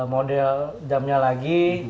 model jamnya lagi